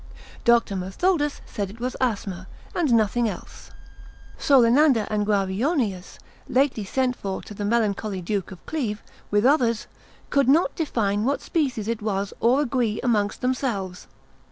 Dr. Matholdus said it was asthma, and nothing else. Solenander and Guarionius, lately sent for to the melancholy Duke of Cleve, with others, could not define what species it was, or agree amongst themselves.